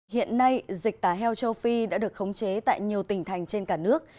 hiện nay dịch tả heo châu phi đã được khống chế tại nhiều tỉnh thành trên cả nước